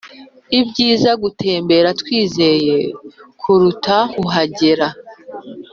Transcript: nibyiza gutembera twizeye kuruta kuhagera